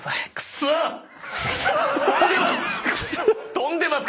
飛んでます